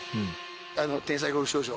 あの天才ゴルフ少女。